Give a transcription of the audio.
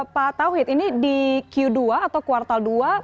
pak tauhid ini di kuartal dua kan pertumbuhan ekonomi kita juga berubah